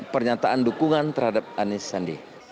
pernyataan dukungan terhadap anies sandi